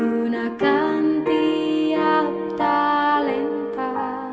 untuk menjaga kemampuan kita